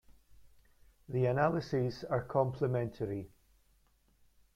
The analyses are complementary.